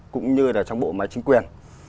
cũng như là trong bộ máy chính quyền